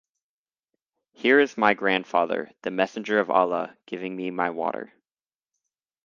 Here is my grandfather, the Messenger of Allah, giving me my water.